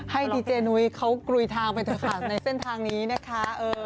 ให้ดีเจนุ้ยเขากลุยทางไปเถอะค่ะในเส้นทางนี้นะคะ